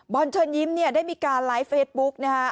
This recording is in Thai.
บอลเชิญยิ้มได้มีการไลฟ์เฟซบุ๊กนะฮะ